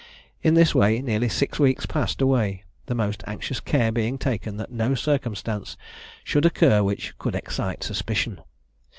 In this way nearly six weeks passed away, the most anxious care being taken that no circumstance should occur which could excite suspicion.